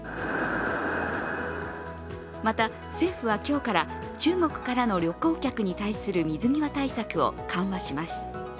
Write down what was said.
また、政府は今日から中国からの旅行客に対する水際対策を緩和します。